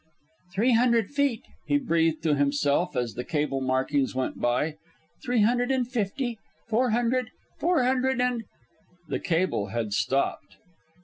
"Three hundred feet," he breathed to himself, as the cable markings went by, "three hundred and fifty, four hundred; four hundred and " The cable had stopped.